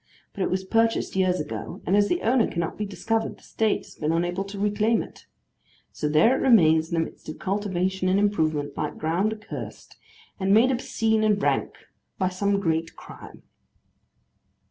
But it was purchased years ago, and as the owner cannot be discovered, the State has been unable to reclaim it. So there it remains, in the midst of cultivation and improvement, like ground accursed, and made obscene and rank by some great crime.